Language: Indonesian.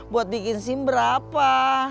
buat bikin sim berapa